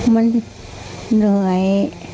มันเหนื่อย